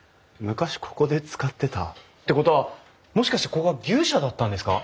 昔ここで使ってた？ってことはもしかしてここは牛舎だったんですか？